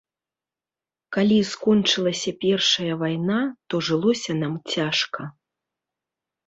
Калі скончылася першая вайна, то жылося нам цяжка.